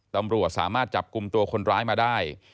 ตำรวจสามารถจับกลุ่มตัวคนร้ายมาได้